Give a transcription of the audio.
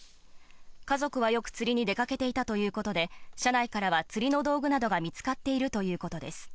家族はよく釣りに出かけていたということで、車内からは釣りの道具などが見つかっているということです。